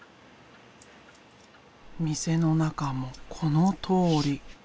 店の中もこのとおり。